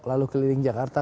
lalu keliling jakarta